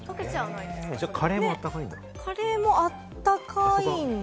カレーも温かいんだ？